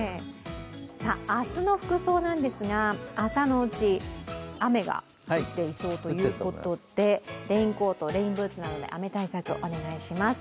明日の服装なんですが、朝のうち雨が降っているということでレインコート、レインブーツなどで雨対策お願いします。